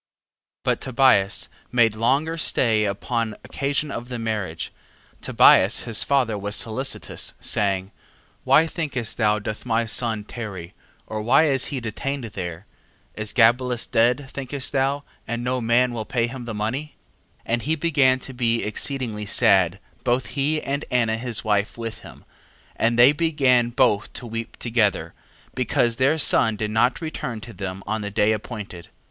10:1. But as Tobias made longer stay upon occasion of the marriage, Tobias his father was solicitous, saying: Why thinkest thou doth my son tarry, or why is he detained there? 10:2. Is Gabelus dead, thinkest thou, and no man will pay him the money? 10:3. And he began to be exceeding sad, both he and Anna his wife with him: and they began both to weep together, because their son did not return to them on the day appointed.